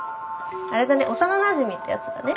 あれだね幼なじみってやつだね。